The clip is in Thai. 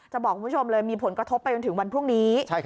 บอกคุณผู้ชมเลยมีผลกระทบไปจนถึงวันพรุ่งนี้